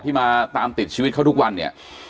มาตามติดชีวิตเขาทุกวันเนี่ย